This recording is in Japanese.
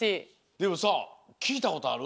でもさきいたことある？